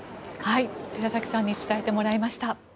寺崎さんに伝えてもらいました。